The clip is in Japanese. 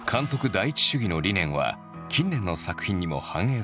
第一主義の理念は近年の作品にも反映されている。